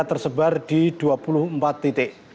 tersebar di dua puluh empat titik